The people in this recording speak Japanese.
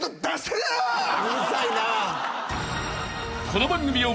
［この番組を］